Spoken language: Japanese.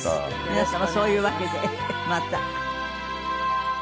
皆様そういうわけでまた。